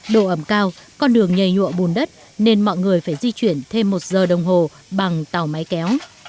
độ ẩm cao con đường nhảy nhụa bùn đất nên mọi người phải di chuyển thêm một giờ đồng hồ bằng tàu máy kéo